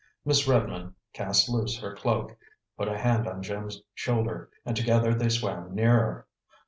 Miss Redmond cast loose her cloak, put a hand on Jim's shoulder, and together they swam nearer.